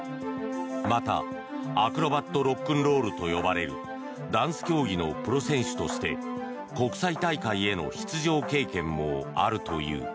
また、アクロバットロックンロールと呼ばれるダンス競技のプロ選手として国際大会への出場経験もあるという。